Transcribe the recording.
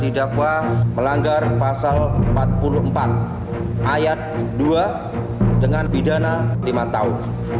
didakwa melanggar pasal empat puluh empat ayat dua dengan pidana lima tahun